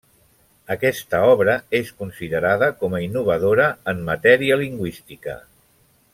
Aquesta obra és considerada com a innovadora en matèria lingüística.